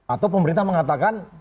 atau pemerintah mengatakan